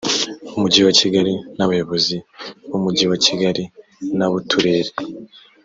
mujyi wa kigali n abayobozi b umujyi wa kigali n ab uturere